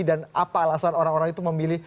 dan apa alasan orang orang itu memilih